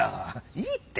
いいって！